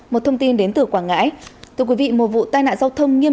một thông tin đến từ quảng ngãi